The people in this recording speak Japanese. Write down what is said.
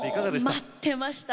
待っていました！